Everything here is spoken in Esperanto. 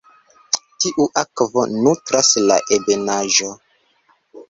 Tiu akvo nutras la ebenaĵo.